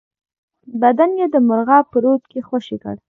بدن یې د مرغاب په رود کې خوشی کړ.